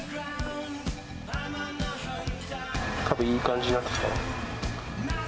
たぶんいい感じになってきた。